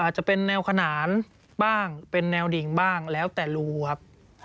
จะเป็นแนวขนานบ้างเป็นแนวดิ่งบ้างแล้วแต่รูครับ